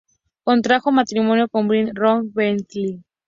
Contrajo matrimonio con William Roy Bentley.